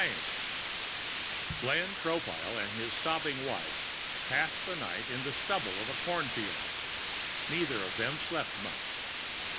VI Glenn Tropile and his sobbing wife passed the night in the stubble of a cornfield. Neither of them slept much.